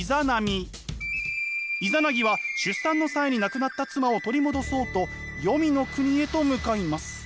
イザナギは出産の際に亡くなった妻を取り戻そうと黄泉の国へと向かいます。